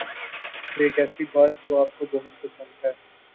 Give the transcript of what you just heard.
اور ایک ایسی بات جو آپ کو بہت پسند ہے